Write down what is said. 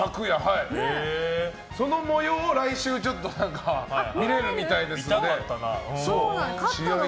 その模様を来週、見れるみたいです。